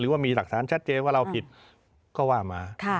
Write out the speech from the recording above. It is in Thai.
ว่ามีหลักฐานชัดเจนว่าเราผิดก็ว่ามา